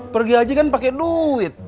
pergi aja kan pake duit